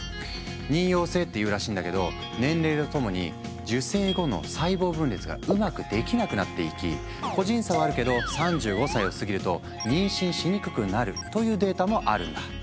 妊よう性っていうらしいんだけど年齢とともに受精後の細胞分裂がうまくできなくなっていき個人差はあるけど３５歳を過ぎると妊娠しにくくなるというデータもあるんだ。